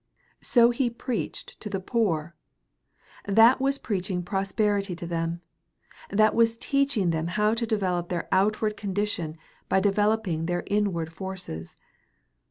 So he preached to the poor. That was preaching prosperity to them. That was teaching them how to develop their outward condition by developing their inward forces.